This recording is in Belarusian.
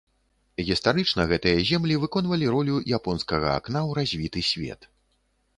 Гістарычна гэтыя землі выконвалі ролю японскага акна ў развіты свет.